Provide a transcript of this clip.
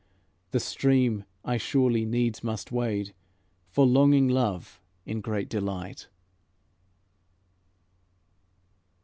The stream I surely needs must wade, For longing love, in great delight.